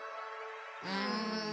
うん。